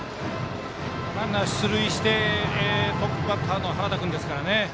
ランナー、出塁してトップバッターの原田君ですから。